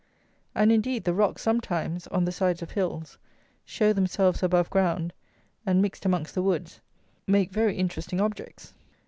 And, indeed, the rocks sometimes (on the sides of hills) show themselves above ground, and, mixed amongst the woods, make very interesting objects.